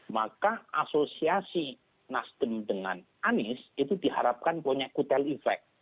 maka asosiasi nasdem dengan anies itu diharapkan punya kutel efek